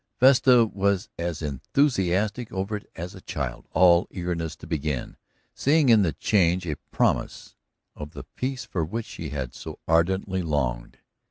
Vesta was as enthusiastic over it as a child, all eagerness to begin, seeing in the change a promise of the peace for which she had so ardently longed.